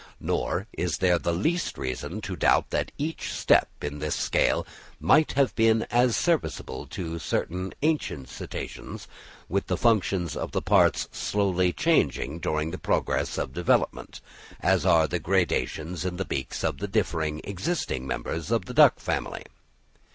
Nor is there the least reason to doubt that each step in this scale might have been as serviceable to certain ancient Cetaceans, with the functions of the parts slowly changing during the progress of development, as are the gradations in the beaks of the different existing members of the duck family.